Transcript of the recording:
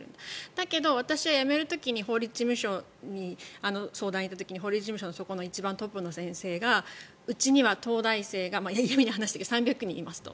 だけど、私は辞める時に法律事務所に相談に行った時に法律事務所のトップの先生がうちには東大生が嫌味な話ですが３００人いますと。